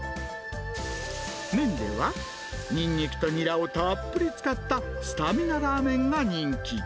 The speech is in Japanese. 麺にはニンニクとニラをたっぷり使ったスタミナラーメンが人気。